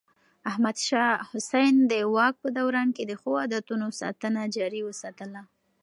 احمد شاه حسين د واک په دوران کې د ښو عادتونو ساتنه جاري وساتله.